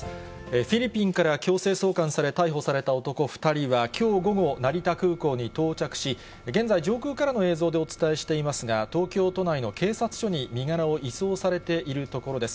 フィリピンから強制送還され、逮捕された男２人はきょう午後、成田空港に到着し、現在、上空からの映像でお伝えしていますが、東京都内の警察署に身柄を移送されているところです。